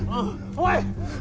おい！